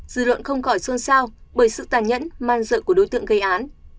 dư luận không khỏi xuân sao bởi sự tàn nhẫn man rợ của đối tượng gây án